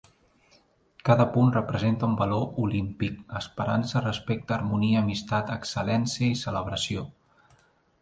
Cada punt representa un valor olímpic; Esperança, respecte, harmonia, amistat, excel·lència i celebració.